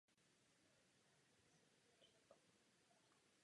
Na polích se pěstovalo především žito a hlavním zdrojem obživy byl chov dobytka.